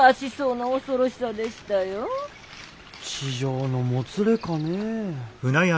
痴情のもつれかねえ。